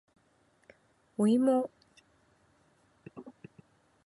おいも